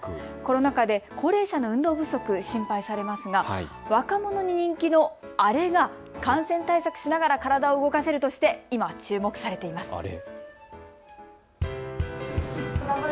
コロナ禍で、高齢者の運動不足、心配されますが若者に人気のあれが感染対策しながら体を動かせるとして今、注目されています。